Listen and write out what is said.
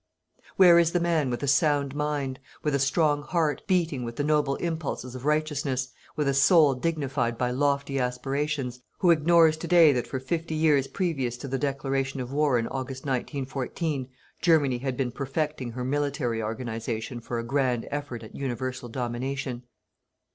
Where is the man with a sound mind, with a strong heart, beating with the noble impulses of righteousness, with a soul dignified by lofty aspirations, who ignores to day that for fifty years previous to the declaration of war, in August 1914, Germany had been perfecting her military organization for a grand effort at universal domination?